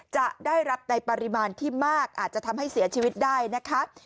จะได้รับในปริมาณที่มากอาจจะทำให้เสียชีวิตได้นะคะ